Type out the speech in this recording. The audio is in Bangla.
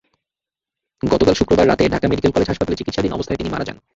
গতকাল শুক্রবার রাতে ঢাকা মেডিকেল কলেজ হাসপাতালে চিকিৎসাধীন অবস্থায় তিনি মারা যান।